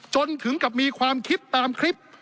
จนถึงกับมีความคิดตามคลิป